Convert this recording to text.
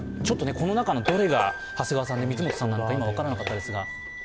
この中のどれが長谷川さんで水本さんなのか、今、分からなかったですが。